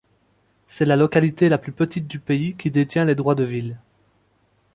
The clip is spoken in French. C'est la localité la plus petite du pays qui détient les droits de ville.